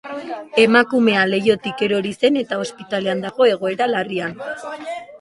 Emakumea leihotik erori zen, eta ospitalean dago, egoera larrian.